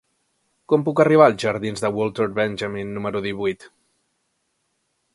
Com puc arribar als jardins de Walter Benjamin número divuit?